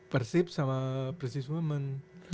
persib sama persis women